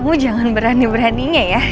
oh jangan berani beraninya ya